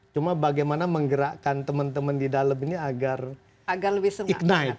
cuma bagaimana menggerakkan teman teman di dalam ini agar lebih senang